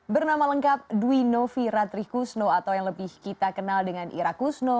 bernama lengkap duinovi ratri kusno atau yang lebih kita kenal dengan ira kusno